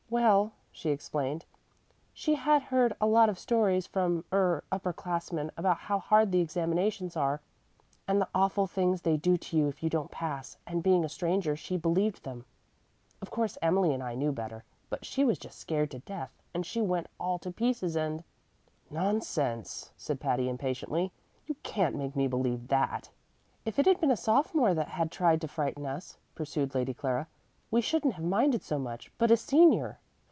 "Well," she explained, "she had heard a lot of stories from er upper classmen about how hard the examinations are, and the awful things they do to you if you don't pass, and being a stranger, she believed them. Of course Emily and I knew better; but she was just scared to death, and she went all to pieces, and " "Nonsense!" said Patty, impatiently. "You can't make me believe that." "If it had been a sophomore that had tried to frighten us," pursued Lady Clara, "we shouldn't have minded so much: but a senior!"